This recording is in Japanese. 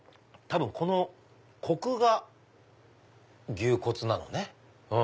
多分このコクが牛骨なのね。